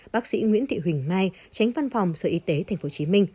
bác sĩ nguyễn thị huỳnh mai tránh văn phòng sở y tế tp hcm